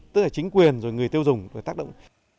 tức là chính quyền rồi người tiêu dùng có thể tác động